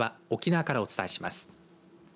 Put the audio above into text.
沖縄からお伝えします。